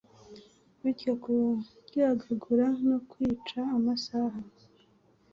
bityo kuryagagura no kwica amasaha